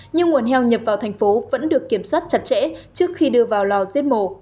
nhưng nguồn heo nhập vào tp hcm vẫn được kiểm soát chặt chẽ trước khi đưa vào lò diết mổ